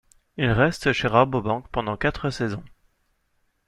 Il reste chez Rabobank pendant quatre saisons.